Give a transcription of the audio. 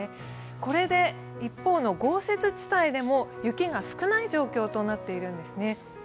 これで一方の豪雪地帯でも雪が少ない状況となってるんです。